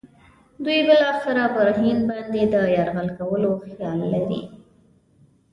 دوی بالاخره پر هند باندې د یرغل کولو خیال لري.